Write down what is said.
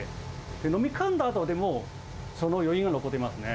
飲み込んだあとでも、その余韻が残ってますね。